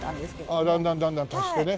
ああだんだんだんだん足してね。